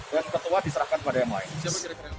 dan ketua diserahkan kepada yang lain